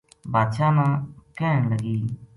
بادشاہ نا کہن لگی